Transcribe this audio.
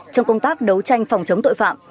trong công tác đấu tranh phòng chống tội phạm